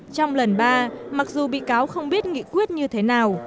trong lần ba mặc dù bị cáo không biết nghị quyết như thế nào